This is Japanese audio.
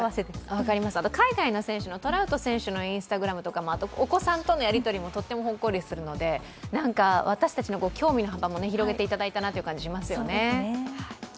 分かります、海外の選手、トラウト選手のＩｎｓｔａｇｒａｍとかお子さんとのやり取りもとってもほっこりするので私たちの興味の幅も広げていただいたなという気がしますよね。